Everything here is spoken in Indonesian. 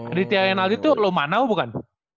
aditya renaldi tuh lumanau bukan